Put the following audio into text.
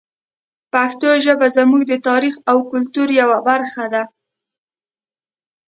پښتو ژبه زموږ د تاریخ او کلتور یوه برخه ده.